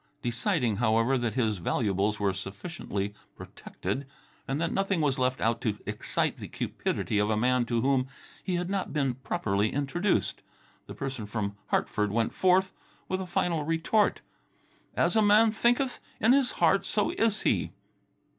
Deciding, however, that his valuables were sufficiently protected, and that nothing was left out to excite the cupidity of a man to whom he had not been properly introduced, the person from Hartford went forth with a final retort. "'As a man thinketh in his heart, so is he!'"